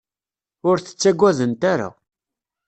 Ur t-ttagadent ara.